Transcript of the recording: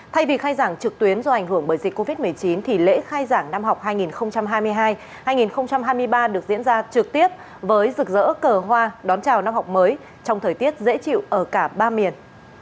thay vì khai giảng trực tuyến do ảnh hưởng bởi dịch covid một mươi chín thì lễ khai giảng năm học hai nghìn hai mươi hai hai nghìn hai mươi ba được diễn ra trực tiếp với rực rỡ cờ hoa đón chào năm học mới trong thời tiết dễ chịu ở cả ba miền